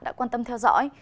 đã quan tâm theo dõi